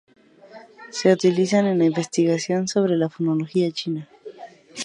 Se utilizan en la investigación sobre la fonología china.